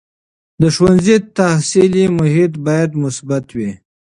د ښوونځي تحصیلي محیط باید مثبت وي.